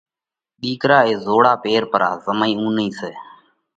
ۮِيڪرا اي زوڙا پير پرا۔ زمئِي اُونئِي سئہ۔